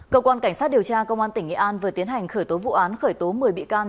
cơ quan cảnh sát điều tra công an tỉnh nghệ an vừa tiến hành khởi tố vụ án khởi tố một mươi bị can